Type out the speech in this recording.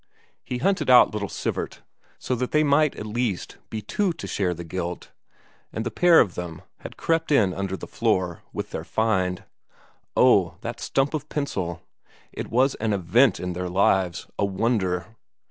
He hunted out little Sivert, so that they might at least be two to share the guilt, and the pair of them had crept in under the floor with their find. Oh, that stump of pencil it was an event in their lives, a wonder!